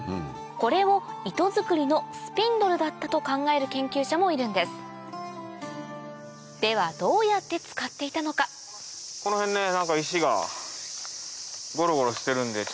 これを糸作りのスピンドルだったと考える研究者もいるんですではどうやって使っていたのかこの辺何か石がゴロゴロしてるんで。